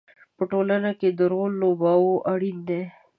په ټولنه کې د رول لوبول اړین دي.